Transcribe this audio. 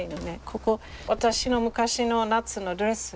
ここ私の昔の夏のドレス。